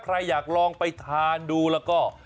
ใครอยากลองไปทานดูแล้วก็